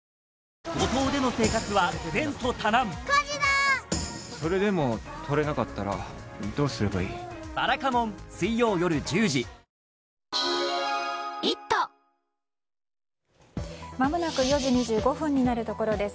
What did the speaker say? あふっまもなく４時２５分になるところです。